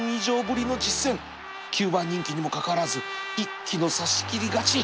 ９番人気にもかかわらず一気の差し切り勝ち